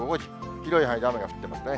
広い範囲で雨が降ってますね。